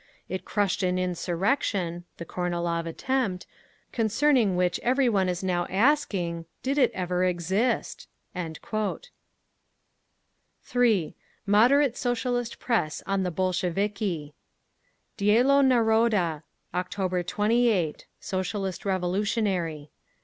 It crushed an insurrection (the Kornilov attempt) concerning which every one is now asking, 'Did it ever exist?" 3. MODERATE SOCIALIST PRESS ON THE BOLSHEVIKI Dielo Naroda, October 28 (Socialist Revolutionary).